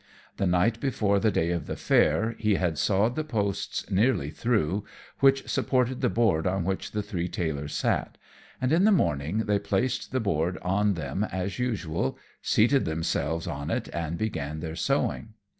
The night before the day of the fair he had sawed the posts nearly through which supported the board on which the three tailors sat, and in the morning they placed the board on them as usual, seated themselves on it and began their sewing.